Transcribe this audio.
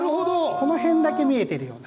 この辺だけ見えてるような。